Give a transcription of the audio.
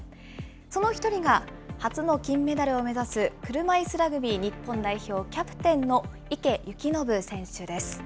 その一人が、初の金メダルを目指す、車いすラグビー日本代表、キャプテンの池透暢選手です。